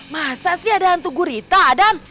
masa sih ada hantu gurita adan